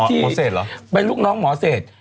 หมอเสดเหรอเป็นลูกน้องหมอเสด